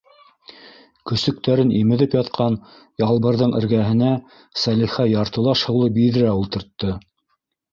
Көсөктәрен имеҙеп ятҡан Ялбырҙың эргәһенә Сәлихә яртылаш һыулы биҙрә ултыртты.